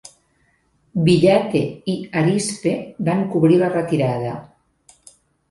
Villatte i Harispe van cobrir la retirada.